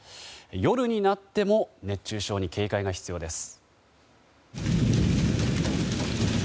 夜になっても熱中症に警戒が必要です。